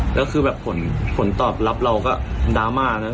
แล้วคือแบบผลตอบรับเราก็ดราม่านะ